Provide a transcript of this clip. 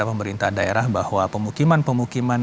dan juga pemerintah daerah bahwa pemukiman pemukiman